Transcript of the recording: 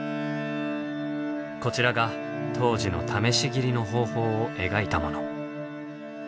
こちらが当時の試し斬りの方法を描いたもの。